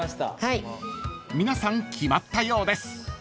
［皆さん決まったようです］